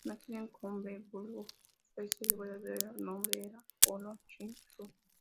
Nacido en Gotemburgo, Suecia, su verdadero nombre era Olof Richard Lund.